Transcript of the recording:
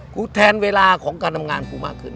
กูแทนเวลาของการทำงานกูมากขึ้น